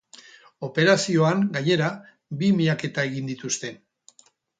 Operazioan, gainera, bi miaketa egin dituzte.